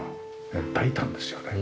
大胆ですよね。